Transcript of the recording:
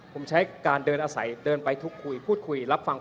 ผมใช้การเดินอาศัยเดินไปทุกคุยพูดคุยรับฟัง